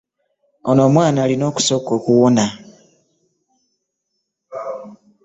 Ono omwana alina okusooka okuwona.